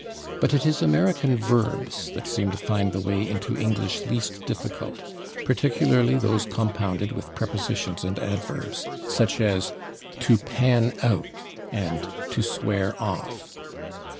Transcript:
But it is American verbs that seem to find the way into English least difficult, particularly those compounded with prepositions and adverbs, such as /to pan out/ and /to swear off